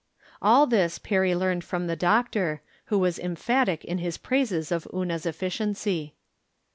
All this Perry learned from the doctor, who was emphatic in his praises pf Una's efficiency.